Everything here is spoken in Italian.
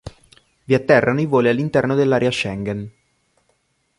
Vi atterrano i voli all'interno dell'area Schengen.